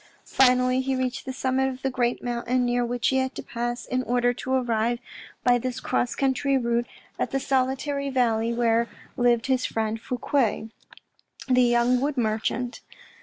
Finally, he reached the summit of the great mountain, near which he had to pass in order to arrive by this cross country route at the solitary valley where lived his friend Fouque, the young wood merchant.